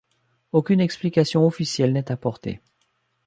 Aucune explication officielle n’est apportée.